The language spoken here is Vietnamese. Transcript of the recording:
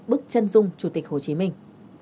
bức chân dung chủ tịch hồ chí minh